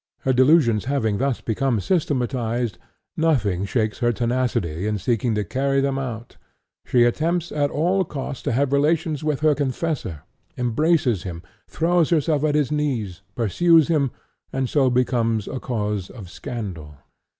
Her delusions having thus become systematized, nothing shakes her tenacity in seeking to carry them out; she attempts at all costs to have relations with her confessor, embraces him, throws herself at his knees, pursues him, and so becomes a cause of scandal.